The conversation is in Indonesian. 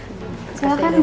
ayo kita ke depan